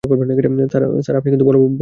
সারা, আপনি কিন্তু বড় ভুল করছেন।